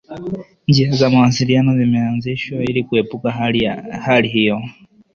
Njia za mawasiliano zimeanzishwa ili kuepuka hali hiyo.